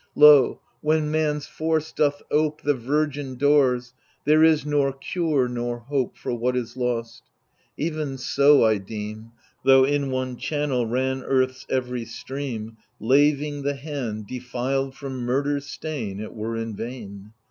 Lo, when man's force doth ope The virgin doors, there is nor cure nor hope For what is lost, — even so, I deem, Though in one channel ran Earth's every stream, Laving the hand defiled from murder's stain, It were in vain.